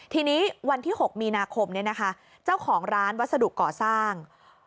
ทีนี้วันที่๖มีนาคมเจ้าของร้านวัสดุก่อสร้าง